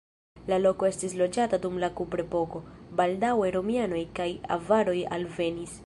La loko estis loĝata dum la kuprepoko, baldaŭe romianoj kaj avaroj alvenis.